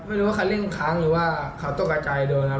ไม่รู้ว่าเค้าเร่งกำคังหรือว่าเค้าตกอาจรายโดนครับ